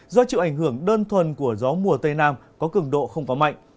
do chịu ảnh hưởng đơn thuần của gió mùa tây nam có cường độ không quá mạnh